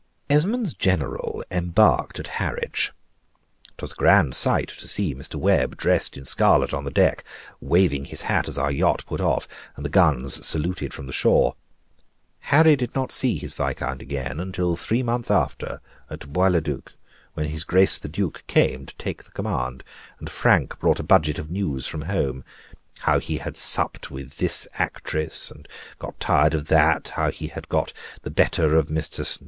Esmond's general embarked at Harwich. 'Twas a grand sight to see Mr. Webb dressed in scarlet on the deck, waving his hat as our yacht put off, and the guns saluted from the shore. Harry did not see his viscount again, until three months after, at Bois le Duc, when his Grace the Duke came to take the command, and Frank brought a budget of news from home: how he had supped with this actress, and got tired of that; how he had got the better of Mr. St.